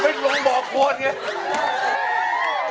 คือเป็นโรงหมอโครนไง